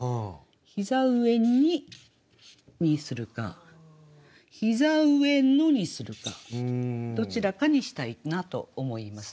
「膝上に」にするか「膝上の」にするかどちらかにしたいなと思います。